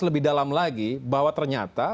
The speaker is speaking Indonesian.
lebih dalam lagi bahwa ternyata